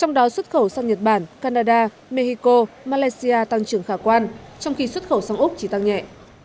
trong đó xuất khẩu sang nhật bản canada mexico malaysia tăng trưởng khả quan trong khi xuất khẩu sang úc chỉ tăng nhẹ